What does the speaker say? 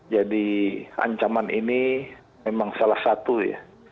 jadi ancaman ini memang salah satu ya